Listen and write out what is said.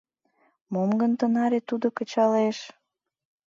Мом гын тынаре тудо кычалеш?